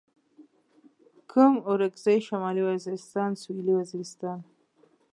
کرم اورکزي شمالي وزيرستان سوېلي وزيرستان